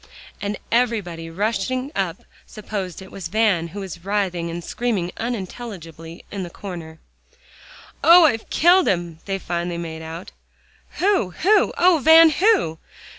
And everybody rushing up supposed it was Van, who was writhing and screaming unintelligibly in the corner. "Oh! I've killed him," they finally made out. "Who who? Oh, Van! who?"